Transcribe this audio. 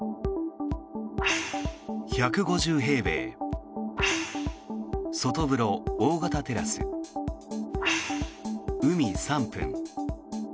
１５０平米、外風呂大型テラス海３分。